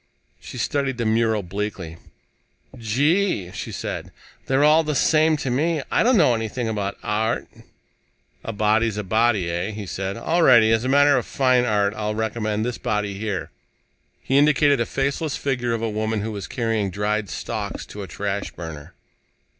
She studied the mural bleakly. "Gee," she said, "they're all the same to me. I don't know anything about art." "A body's a body, eh?" he said. "All righty. As a master of fine art, I recommend this body here." He indicated a faceless figure of a woman who was carrying dried stalks to a trash burner.